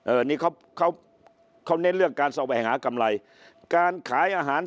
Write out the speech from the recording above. เอ่อนี่เขาเขาเขาเน่นเรื่องการเสาแหวงหากำไรการขายอาหาร